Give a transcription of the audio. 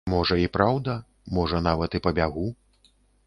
Можа, і праўда, можа, нават і пабягу.